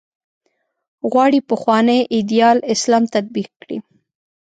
غواړي پخوانی ایدیال اسلام تطبیق کړي.